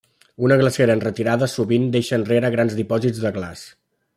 Una glacera en retirada sovint deixa enrere grans dipòsits de glaç.